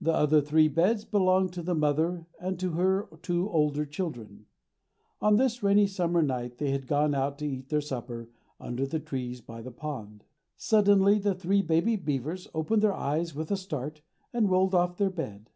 The other three beds belonged to the mother and to her two older children. On this rainy summer night they had gone out to eat their supper under the trees by the pond. Suddenly the three baby beavers opened their eyes with a start, and rolled off their bed.